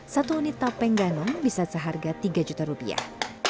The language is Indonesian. satu unit tapeng ganong bisa seharga tiga juta rupiah